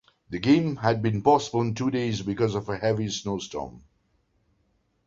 The game had been postponed two days because of a heavy snowstorm.